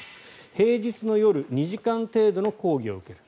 平日の夜２時間程度の講義を受ける。